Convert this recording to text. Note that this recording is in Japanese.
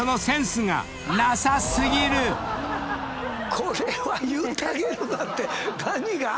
これは言うてあげるなって何が？